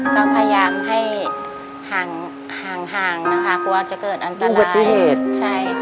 ก็พยายามให้ห่างห่างนะคะกลัวจะเกิดอันตรายเหตุใช่